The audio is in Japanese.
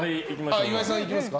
岩井さんいきますか。